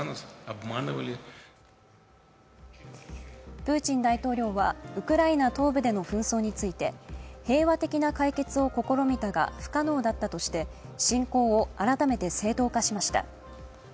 プーチン大統領はウクライナ東部での紛争について平和的な解決を試みたが不可能だったとして侵攻を改めて正当化しました。